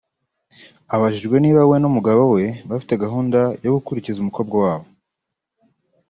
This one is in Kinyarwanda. Abajijwe niba we n’umugabo we bafite gahunda yo gukurikiza umukobwa wabo